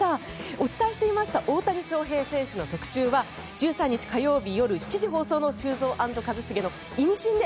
お伝えしていました大谷翔平選手の特集は１３日、火曜日夜７時放送の「修造＆一茂のイミシン」で